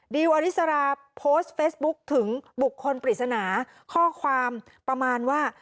อริสราโพสต์เฟซบุ๊คถึงบุคคลปริศนาข้อความประมาณว่า